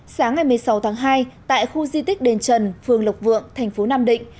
sáng ngày một mươi sáu tháng hai tại khu di tích đền trần phường lộc vượng thành phố nam định